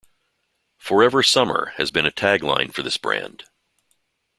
"Forever Summer" has been a tagline for this brand.